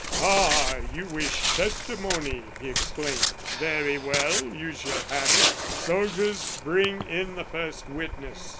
"Ah! you wish testimony!" he exclaimed. "Very well, you shall have it. Soldiers, bring in the first witness."